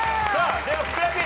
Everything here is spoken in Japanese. ではふくらＰ。